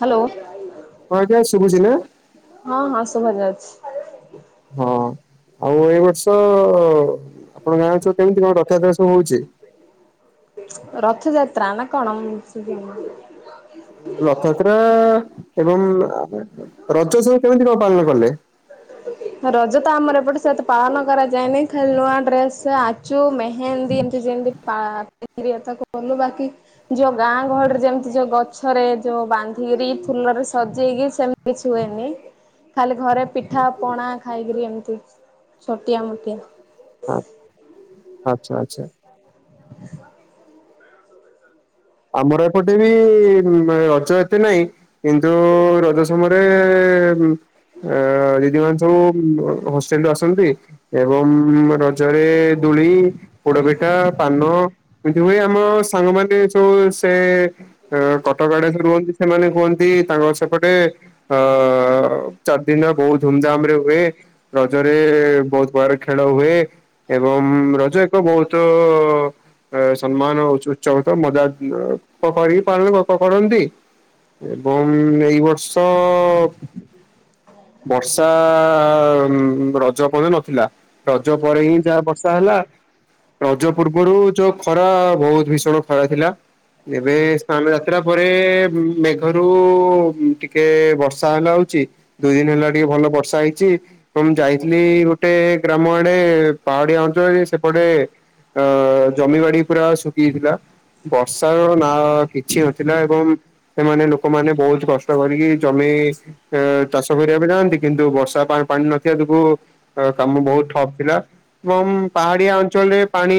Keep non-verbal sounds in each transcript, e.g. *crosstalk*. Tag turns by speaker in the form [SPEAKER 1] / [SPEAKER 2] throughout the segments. [SPEAKER 1] Hello.
[SPEAKER 2] ହଁ ଆଜ୍ଞା ଶୁଭୁଛି ନା?
[SPEAKER 1] ହଁ ହଁ ଶୁଭା ଯାଉଛି।
[SPEAKER 2] ହଁ ଆଉ ଏଇ ବର୍ଷ ଆପଣ ଗାଁ ରେ ସବୁ କେମିତି କଣ ରଥଯାତ୍ରା ସବୁ ହଉଚି?
[SPEAKER 1] ରଥଯାତ୍ରା ନା କଣ ଉମ୍ ଶୁଭିଲାନି?
[SPEAKER 2] ରଥଯାତ୍ରା ଏବଂ ରଜ ସବୁ କେମିତି କଣ ପାଳନ କଲେ?
[SPEAKER 1] ରଜ ତ ଆମର ଏପଟେ ସେତେ ପାଳନ କରାଯାଏନି। ଖାଲି ନୂଆ ଡ୍ରେସ, ଆଚୁ ମେହେନ୍ଦୀ ମେହେନ୍ଦି ହେମତି ଏମତି ଯେମିତି ତାକୁ ପାଳନ କଲୁ। ବାକି ଯୋଉଁ ଗାଁ ଗହଳିରେ ଯେମିତି ଯୋଉଁ ଗଛରେ ଯୋଉ ବାନ୍ଧିକିରି, ଫୁଲରେ ସଜେଇକି, ସେମ କିଛି ହୁଏନି। ଖାଲି ଘରେ ପିଠା ପିଠା, ପଣା ଖାଇକିରି ଏମିତି ଛୋଟିଆ ମୋଟିଆ।
[SPEAKER 2] ହଁ, ଆଚ୍ଛା ଆଚ୍ଛା। ଆମର ଏପଟେ ବି ରଜ ଏତେ ନାହିଁ। କିନ୍ତୁ ରଜ ସମୟରେ ଅ ଦିଦି ମାନେ ସବୁ ହୋଷ୍ଟେଲ ରୁ ଆସନ୍ତି। ଏବଂ ରଜ ରେ ଦୋଳି, ପୋଡ ପିଠା, ପାନ ଏମିତି ହୁଏ। ଆମ ସାଙ୍ଗମାନେ ସବୁ ସେ କଟକ ଆଡେ ରୁହନ୍ତି। ସେମାନେ କୁହନ୍ତି ତାଙ୍କ ସେପଟେ ହଁ ଚାରିଦିନ ବହୁତ ଧୁମଧାମ ରେ ହୁଏ। ରଜରେ ବହୁତ ପ୍ରକାର ଖେଳ ହୁଏ। ଏବଂ ରଜ ଏକ ବହୁତ ସମ୍ମାନ ଉଚ୍ଚ ମଜା ପଖରିକି ପ ପାଳନ କ କ କରନ୍ତି। ଏବଂ ଏଇ ବର୍ଷ ବର୍ଷା ରଜ ପରେ ନଥିଲା। ରଜ ପରେ ହିଁ ଯାହା ବର୍ଷା ହେଲା। ରଜ ପୂର୍ବରୁ ଯୋଉ ଖରା ବହୁତ ଭୀଷଣ ଖରା ଥିଲା। ଏବେ ସ୍ଥାନ ଯାତ୍ରା ପରେ ମେଘରୁ ଟିକେ ବର୍ଷା ହେଲା ହଉଛି। ଦୁଇ ଦିନ ହେଲା ଟିକେ ଭଲ ବର୍ଷା ହେଇଛି। ମୁଁ ଯାଇଥିଲି ଗୋଟେ ଗ୍ରାମ ଆଡେ, ପାହାଡିଆ ଅଞ୍ଚଳରେ ସେପଟେ ହଢଜମିିବାଡି ପୁରା ଶୁଖି କି ଥିଲା। ବର୍ଷାର ନା କିଛି ନଥିଲା ଏବଂ। ସେମାନେ ଲୋକମାନେ ବହୁତ କଷ୍ଟ କରିକି ଜମି ଚାଷ କରିବାକୁ ଯାଆନ୍ତି। କିନ୍ତୁ ବର୍ଷା ପା ପାଣି ନଥିବା ଯୋଗୁ କାମ ବହୁତ ଠପ୍ ଥିଲା। ଏବଂ ପାହାଡିଆ ଅଞ୍ଚଳରେ ପାଣି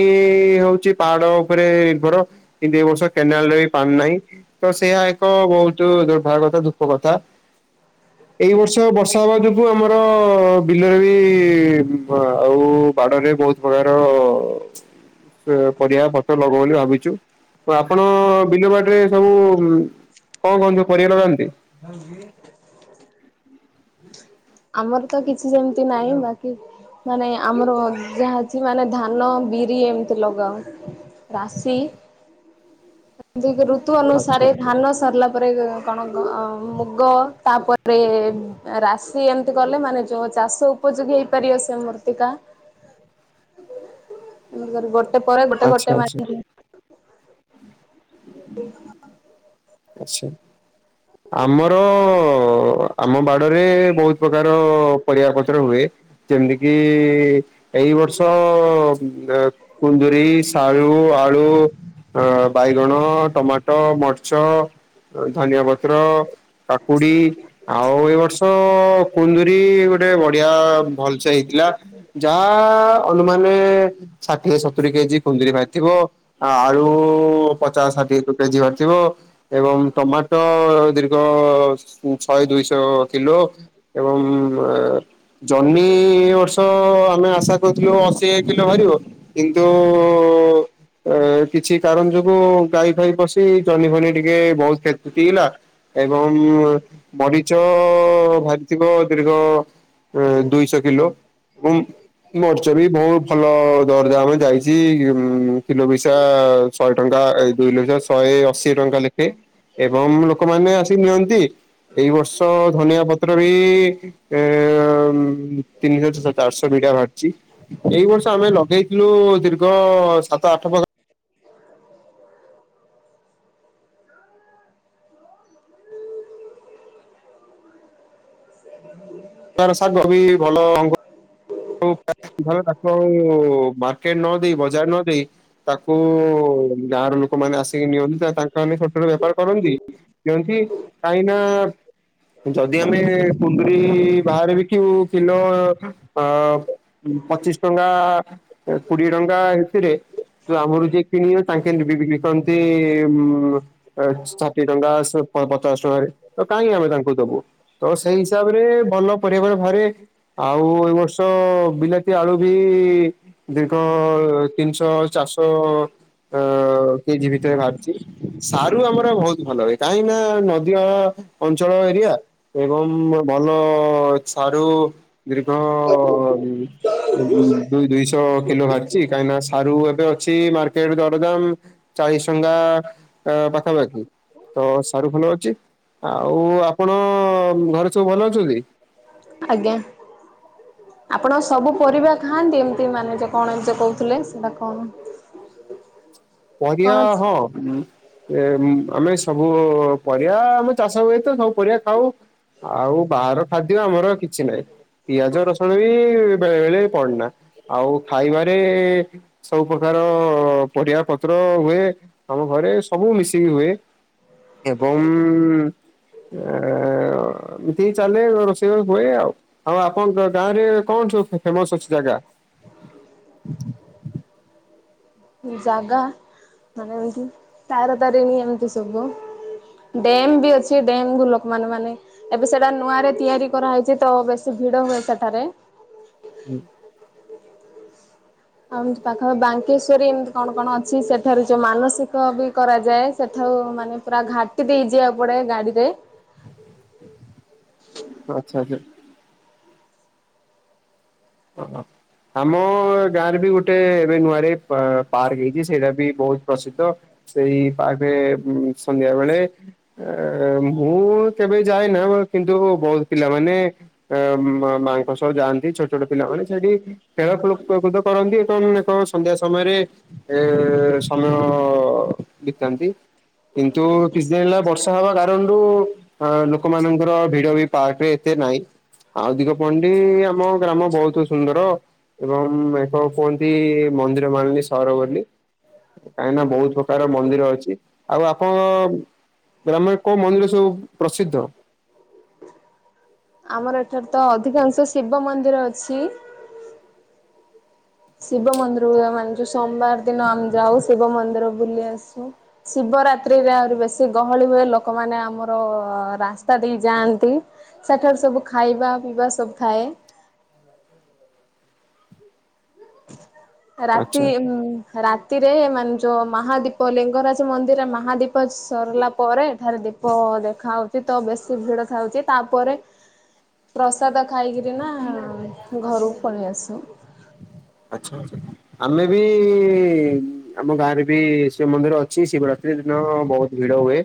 [SPEAKER 2] ହଉଛି, ପାହାଡ ଉପରେ ନିର୍ଭର। କିନ୍ତୁ ଏ ବର୍ଷ କେନାଲ ରେ ବି ପାଣି ନାହିଁ। ତ ସେଇୟା ଏକ ବହୁତ ଦୁର୍ଭାଗ୍ୟ କଥା, ଦୁଃଖ କଥା। ଏଇ ବର୍ଷ ବର୍ଷା ହବା ଯୋଗୁ, ଆମର ବିଲରେ ବି ଆଉ ବାଡରେ ବହୁତ ପରିବା ର ପରିବା ପତ୍ର ଲଗଉ ବୋଲି ଭାବିଛୁ। ଆପଣ ବିଲବାଡିରେ ସବୁ କଣ କଣ ପରିବା ଲଗାନ୍ତି।
[SPEAKER 1] ହଉ ଆମର ତ କିଛି ଯେମିତି ନାହିଁ। ବାକି ମାନେ ଆମର ଯାହା ଅଛି ମାନେ ଧାନ ବିରି ଏମିତି ଲଗାହୁଏ। ରାଶି, ଋତୁ
[SPEAKER 2] ଆଚ୍ଛା
[SPEAKER 1] ଅନୁସାରେ ଧାନ ସରିଲା ତାପରେ କଣ, ମୁଗ ତାପରେ ରାଶି ସେ ଏମିତି କଲେ ମାନେ ଯୋଉଁ ଚାଷ ଉପଯୋଗୀ ହେଇପାରିବ ସେ ମୂର୍ତ୍ତିକା। ଗୋଟେ ପରେ ଗୋଟେ
[SPEAKER 2] ଆଚ୍ଛା
[SPEAKER 1] ଗୋଟେ
[SPEAKER 2] ଆଚ୍ଛା
[SPEAKER 1] ମାଟିରେ। *unintelligible*
[SPEAKER 2] ଆଛା। ଆମର ଆମ ବାଡରେ ବହୁତ ପ୍ରକାର ପରିବା ପତ୍ର ହୁଏ। ଯେମିତିକିି ଏଇ ବର୍ଷ କୁନ୍ଦୁରୀ ଶାଳୁ ଆଳୁ ବାଇଗଣ, ଟମାଟୋ, ମର୍ଚ ଧନିଆ ପତ୍ର କାକୁଡି। ଆଉ ଏଇ ବର୍ଷ କୁନ୍ଦରିୀ ଗୋଟେ ବଢିଆ ଭଲସେ ହେଇଥିଲା ଯାହା ଅନୁମାନ ଷାଠିଏ ସତୁରିୀ କେଜି କୁନ୍ଦୁରୀ ଭାରି ଥିବା। ଆଳୁ ପଚାଶ ଷାଠିଏ କେଜି ବାରିଥିବ। ଏବଂ ଟମାଟ ଦୀର୍ଘ ଶହେ ଦୁଇଶହ କିଲୋ। ଏବଂ ଜନ୍ମି ଓ ତ ଆମେ ଆଶା କରୁଥିଲୁ ଅଶୀ କିଲୋ ବାହାରିବ କିନ୍ତୁ ଏ କିଛି କାରଣ ଯୋଗୁ ଗାଈ ଫାଇ ପଶି ଜହନି ଭନି ଟିକେ ବହୁତ କ୍ଷତିତିଇଗଲା ଏବଂ ବଣିଚ ବାହାରିଥିବ ଦୀର୍ଘ ଅ ଦୁଇଶହ କିଲୋ ଏବଂ ମର୍ଚ ବି ବହୁତ ଭଲ ଦରଦାମ୍ ରେ ଯାଇଛି କିଲୋ ବିସା ଶହେ ଟଙ୍କା ଏଇ ଦୁଇ ଲଜାର ଶହେ ଅଶୀ ଟଙ୍କା ଲେଖ ଏବଂ ଲୋକମାନେ ଆସ ନିଅନ୍ତି ଏଇ ବର୍ଷ ଧନିଆ ପତ୍ର ବି ଏ ଉ ତିନିହଚ ଚାରିଶହ ବିଡା ବାହାରଛି ଏଇ ବର୍ଷ ଆମେ ଲଗେଇଥିଲୁ ଦୀର୍ଘ ସାତ ଆଠ ପ୍ରାକ୍ କାର ଶାଗ ବି ଭଲ ଅ ତାକୁ ଆଉ ମାର୍କେଟ ନ ଦେଇ ବଜାର ନ ଦେଇ ତାକୁ ଗାଁ ର ଲୋକମାନେ ଆସିକି ନିଅନ୍ତି ତାଙ୍କମାନେ ଛୋଟ ଛୋଟ ବେପାର କରନ୍ତି ଦିଅନ୍ତି କାହିଁ ନା ଯଦି ଆମେ କୁନ୍ଦୁରି ବାହାରେ ବିକିବୁ କିଲୋ ଅ ପଚିଶ ଟଙ୍କା କୋଡିଏ ଟଙ୍କା ଏନ୍ତିରେ ତ ଆମରୁ ଯିଏ କିଣିବେ ତାଙ୍କେ ବି ବି ବିକନ୍ତି ଉ ଏ ଷାଠିଏ ଟଙ୍କା ସ ପଚାଶ ଟଙ୍କାରେ କାହିଁକି ଆମେ ତାଙ୍କୁ ଦବୁ ତ ସେଇ ହିସାବରେ ଭଲ ପରିବା ବାହାରେ ଆଉ ଶ ବିଲାତି ଆଳୁ ବି ଦୀର୍ଘ ତିନିଶହ ଚାରିଶହ ଅ କେଜି ଭିତରେ ବାହାରିଛି ସାରୁ ଆମର ବହୁତ ଭଲ ହୁଏ କାହିଁକି ନା ନଦୀଅ ଅଞ୍ଚଳ ଏରିଆ ଏବଂ ଭଲ ସାରୁ ଦୀର୍ଘ ଅ ଦୁଇ ଦୁଇଶହ କିଲୋ ବାହାରିଛି କାହିଁକିନା ସାରୁ ଏବେ ଅଛି ମାର୍କେଟ ଦରଦାମ ଚାରି ସଂଙ୍ଗା ଆ ପାଖାପାଖି ତ ସାରୁ ଭଲ ଅଛି ଆଉ ଆପଣଙ୍କ ଘରେ ସବୁ ଭଲ ଅଛନ୍ତି?
[SPEAKER 1] ଆଜ୍ଞା ଆପଣ ସବୁ ପରିବା ଖାଆନ୍ତି ଏମିତି ମାନେ ଯେ କଣ ଯେ କହୁଥିଲେ ସେଇଟା କଣ କଣ
[SPEAKER 2] ପରିବା ହିଁ ଉ ଏ ଆମେ ସବୁ ପରିବା ଆମ ଚାଷ ହୁଏ ତ ସବୁ ପରିବା ଖାଉ ଆଉ ବାହାର ଖାଦ୍ୟ ଆମର କିଛି ନାହିଁ ପିଆଜ ରସୁଣ ବି ବେଳେ ବେଳେ ପଡୁନା ଆଉ ଖାଇବାରେ ସବୁ ପ୍ରକାର ପରିବା ପ ତ୍ର ହୁଏ ଆମ ଘରେ ସବୁ ମିଶିକି ହୁଏ ଏବଂ ଅଁ ଏମିତି ଚାଲେ ରୋଷେଇ ହୁଏ ଆଉ ଆଉ ଆପଣଙ୍କ ଗାଁ ରେ କଣ ସବୁ ଫେ ଫେମସ ଅଛି ଜାଗା? *inaudible*
[SPEAKER 1] ଜାଗା ମାନେ ଏମିତି ତାର ତାରିଣୀ ଏମିତି ସବୁ ଡ୍ୟମ୍ ବି ଅଛି ଡ୍ୟମ୍ ଗୁ ଲୋକ ମାନ ମାନେ ଏବେ ସେଟା ନୂଆ ରେ ତିଆରି କରାହେଇଛି ତ ବେଶୀ ଭିଡ ହୁଏ ସେଠାରେ
[SPEAKER 2] ହୁଁ
[SPEAKER 1] ଆଉ ପାଖ ବାଙ୍କେଶ୍ଵରୀ ଏମିତି କଣ କଣ ଅଛି ସେଠାରୁ ଯୋଉ ମାନସିକ ବି କରାଯାଏ ସେଠାଉ ମାନେ ପୁରା ଘାଟି ଦେଇ ଯିବାକୁ ପଡେ ଗାଡିରେ
[SPEAKER 2] ହଁ ଆଚ୍ଛା ଆଛା ଓହୋ ଆମ ଗାଁ ରେ ବି ଗୋଟେ ଏବେ ନୂଆରେ ପା ପାର୍କ ହେଇଛି ସେଇଟା ବି ବହୁତ ପ୍ରସିଦ୍ଧ ସେଇ ପାର୍କରେ ସନ୍ଧ୍ୟା ବେଳେ ଏ ମୁଁ କେବେ ଯାଇନା କିନ୍ତୁ ବହୁତ ପିଲାମାନେ ମା ମାଙ୍କ ସହ ଯାଆନ୍ତି ଛୋ ଛୋଟ ପିଲା ମାନେ ସେଇଠି ଖେଳକୁଳ ପ୍ରକୃତ କରନ୍ତି କଣ କଣ ସନ୍ଧ୍ୟା ସମୟରେ ଏ ସମୟ ବିତାନ୍ତି। କିନ୍ତୁ କିଛିଦିନ ହେଲା ବର୍ଷା ହବା କାରଣରୁ ଅ ଲୋକମାନଙ୍କର ଭିଡ ବି ପାର୍କ ରେ ଏତେ ନାହିଁ। ଆଉ ଦିିଗପଣ୍ଡି ଆମ ଗ୍ରାମ ବୋହୁତ ସୁନ୍ଦର। ଏବଂ ଏକ କୁହନ୍ତି ମନ୍ଦିର ମାଳିନୀ ସହର ବୋଲି। କାହିଁକି ନା ବୋହୁତ ପ୍ରକାର ମନ୍ଦିର ଅଛି ଆଉ ଆପଣ ଗ୍ରାମରେ କୋଉ ମନ୍ଦିର ସବୁ ପ୍ରସିଦ୍ଧ?
[SPEAKER 1] ଆମର ଏଠାରେ ତ ଅଧିକାଂଶ ଶିବ ମନ୍ଦିର ଅଛି। ଶିବ ମନ୍ଦିର ମାନିଚୁ ସୋମବାର ଦିନ ଆମେ ଯାଉ ଶିବ ମନ୍ଦିର ବୁଲି ଆସୁ। ଶିବରାତ୍ରିରେ ଆହୁରି ବେଶୀ ଗହଳି ହୁଏ। ଲୋକମାନେ ଆମର ରାସ୍ତା ଦେଇ ଯାଆନ୍ତି। ସେଠାରୁ ସବୁ ଖାଇବା ପିଇବା ସବୁ ଥାଏ। ରାତି
[SPEAKER 2] ଆଚ୍ଛା ଆଚ୍ଛା
[SPEAKER 1] ଉଁ। ରାତିରେ ମାନେ ଯୋଉ ମାହାଦୀପ ଲିଙ୍ଗରାଜ ମନ୍ଦିର ମାହାଦୀପ ସରିଲା ପରେ ଠାରେ ଦୀପ ପ ଦେଖା ହୋଉଚି ତ ବେଶୀ ଭିଡ ଥାଉଚି ତାପରେ ପ୍ରସାଦ ଖାଇକିରି ନା ଘରକୁ ପଳି ଆସୁ।
[SPEAKER 2] ଆଛା ଆଛା ଆମେ ବି ଆମ ଗାଁ ରେ ବି ଶିବ ମନ୍ଦିର ଅଛି ଶିବରାତ୍ରି ଦିନ ବୋହୁତ ଭିଡ ହୁଏ।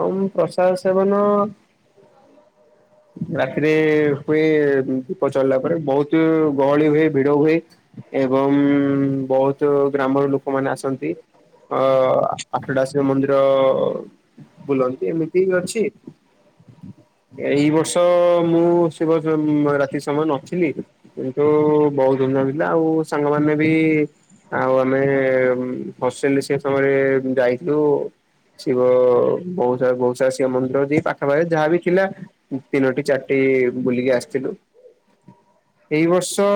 [SPEAKER 2] ହଉମ୍ ପ୍ରସାଦ ସେବନ
[SPEAKER 1] *inaudible*
[SPEAKER 2] ରାତିରେ ହୁଏ ଦୀପ ଜଳିଲା ପରେ ବୋହୁତ ଗହଳି ହୁଏ ଭିଡ ହୁଏ। ଏବଂ ବୋହୁତ ଗ୍ରାମର ଲୋକମାନେ ଆସନ୍ତି। ଅ ଆଠଟା ଶିବ ମନ୍ଦିର ବୁଲନ୍ତି ଏମିତି ଅଛି। ଏଇ ବର୍ଷ ମୁଁ ଶିବ ରାତି ସମୟ ନଥିଲି। କିନ୍ତୁ ବୋହୁତ ଧୂମଧାମ ହେଇଥିଲା ଆଉ ସାଙ୍ଗମାନେ ବି ଆଉ ଆମେ ହଷ୍ଟେଲରେ ସେ ସମୟରେ ଯାଇଥିଲୁ। ଶିବ ବୋହୁତ ସାରା ବୋହୁତ ସାରା ଶିବ ମନ୍ଦିର ଦି ପାଖା ପାଖରେ ଯାହାବି ଥିଲା। ତିନୋଟି ଚାରିଟି ବୁଲିକି ଆସିଥିଲୁ। ଏଇ ବର୍ଷ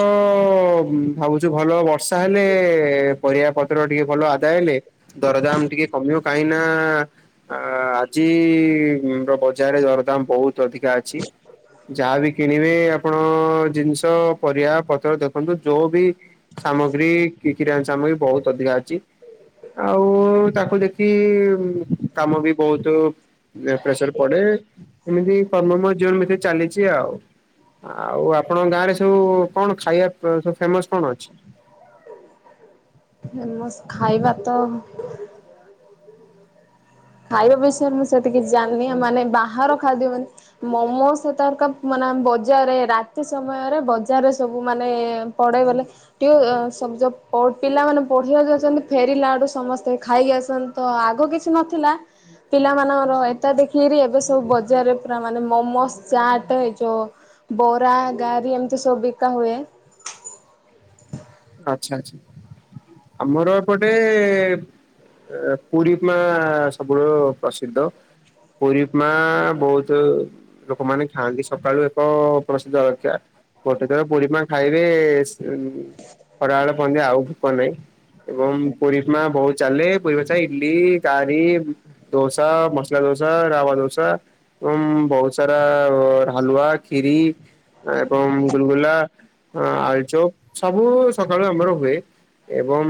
[SPEAKER 2] ଭାବୁଚୁ ଭଲ ବର୍ଷା ହେଲେ ପରିବା ପତ୍ର ଟିକେ ଭଲ ଆଦାୟ ହେଲେ ଦରଦାମ ଟିକେ କମିବ କାହିଁ ନା ଆ ଆଜିର ବଜାରରେ ଦରଦାମ ବୋହୁତ ଅଧିକା ଅଛି। ଯାହାବି କିଣିବେ ଆପଣ ଜିନିଷ ପରିବା ପତ୍ର ଦେଖନ୍ତୁ ଯୋଉ ବି ସାମଗ୍ରୀ କି-କିରାଣ ସାମଗ୍ରୀ ବୋହୁତ ଅଧିକା ଅଛି। ଆଉ ତାକୁ ଦେଖି କାମ ବି ବୋହୁତ ପ୍ରେସର ପଡେ ଏମିତି କର୍ମମୟ ଜୀବନ ଭିତରେ ଚାଲିଚି ଆଉ। ଆଉ ଆପଣଙ୍କ ଗାଁରେ ସବୁ କଣ ଖାଇବା ସବୁ ଫେମସ କଣ ଅଛି?
[SPEAKER 1] ଫେମସ୍ ଖାଇବା ତ ଖାଇବା ବିଷୟରେ ମୁଁ ସେତିକ କିଛି ଜାଣିନି ମାନେ ବାହାର ଖାଦ୍ୟ ମାନେ ମୋମୋ ସେ ତର ମାନେ ବଜାର ରାତି ସମୟରେ ବଜାରରେ ସବୁ ମାନେ ପଢେଇ ବୋଲେ ଟି ସବୁ ଯୋ ପ-ପିଲାମାନୋନେ ପଢିବା ଯାଉଛନ୍ତି ଫେରିଲା ବଡୁ ସମସ୍ତେ ଖାଇକି ଆସନ୍ତି। ତ ଆଗ କିଛି ନଥିଲା। ପିଲାମାନଙ୍କର ଏଟା ଦେଖିକିରି ଏବେ ସବୁ ବଜାରରେ ପୁରା ମାନେ ମୋମୋଜ ଚାଟ ଏ ଯୋଉ ବୋରା, ଗାରି ଏମିତି ସବୁ ବିକା ହୁଏ।
[SPEAKER 2] ଆଛା ଆଛା। ଆମର ଏପଟେ ପୁରୀ ଉପମା ସବୁଠୁ ପ୍ରସିଦ୍ଧ ପୁରୀଉମା ବୋହୁତୁ ଲୋକମାନେ ଖାଆନ୍ତି। ସକାଳୁ ଏକ ପ୍ରସିଦ୍ଧ ରକ୍ଷା ଗୋଟେ ଦିନ ପୁରୀଉମା ଖାଇବେ ସେମ୍ ଆଉ ଭୋକ ନାହିଁ ଏବଂ ପୁରୀଉମା ବୋହୁତ ଚାଲେ ପୁରୀଉମା ଇଡଲି କାରି ଦୋସା ମସଲା ଦୋସା ଯଉ ରାବା ଦୋଷା ଏବଂ ବହୁତ ସାରା ହାଲୁଆ ଖିରି ଏବଂ ଗୁଲଗୁଲା ଆଳଚୋପ ସବୁ ସକାଳୁ ଆମର ହୁଏ। ଏବଂ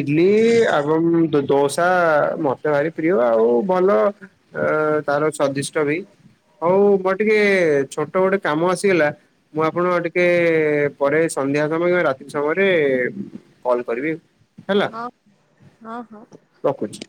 [SPEAKER 2] ଇଡଲି ଏଵଂ ଦ ଦୋସା ମତେ ଭାରି ପ୍ରିୟ ଆଉ ଭଲ ତାର ସ୍ୱାଦିଷ୍ଟି। ଚରି ହଉ ମୋର ଟିକେ ଛୋଟ ଗୋଟେ କାମ ଆସିଗଲା ମୁଁ ଆପଣଙ୍କୁ ଆଉ ଟିକେ କେ ପରେ ସନ୍ଧ୍ୟା ସମୟରେ ରାତି ସମୟରେ କଲ୍ କରିବି।
[SPEAKER 1] ହଁ ହଁ ହଁ।
[SPEAKER 2] ରଖୁଚି।